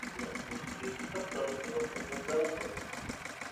مەخسۇس ئېلكىتاب تارقىتىدىغان تور بەتلەرمۇ بار.